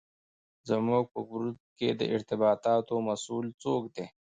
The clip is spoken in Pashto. زموږ په ګروپ کې د ارتباطاتو مسوول دی.